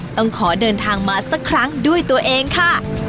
ต้องขอเดินทางมาสักครั้งด้วยตัวเองค่ะ